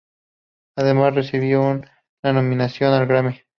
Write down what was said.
Además, recibió una nominación al Grammy.